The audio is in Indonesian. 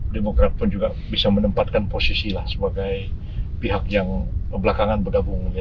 demokrat pun juga bisa menempatkan posisi sebagai pihak yang belakangan bergabung